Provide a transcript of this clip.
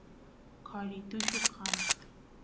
qari tullu kan